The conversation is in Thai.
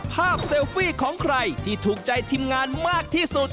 เซลฟี่ของใครที่ถูกใจทีมงานมากที่สุด